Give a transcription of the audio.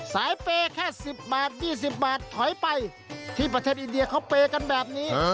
เปย์แค่๑๐บาท๒๐บาทถอยไปที่ประเทศอินเดียเขาเปย์กันแบบนี้